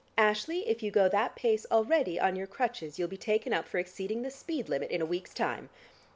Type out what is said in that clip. Ashley, if you go that pace already on your crutches, you'll be taken up for exceeding the speed limit in a week's time.